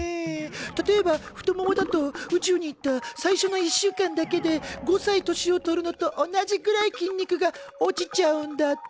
例えば太ももだと宇宙に行った最初の１週間だけで５歳年を取るのと同じくらい筋肉が落ちちゃうんだって。